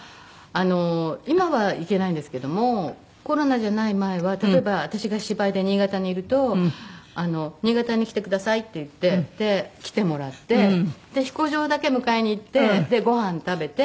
今は行けないんですけどもコロナじゃない前は例えば私が芝居で新潟にいると新潟に来てくださいって言ってで来てもらって飛行場だけ迎えに行ってご飯食べてちょっと観光して。